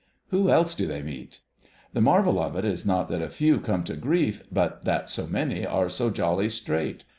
Who else do they meet...? The marvel of it is not that a few come to grief, but that so many are so jolly straight.